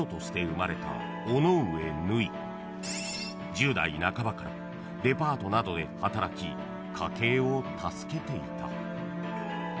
［１０代半ばからデパートなどで働き家計を助けていた］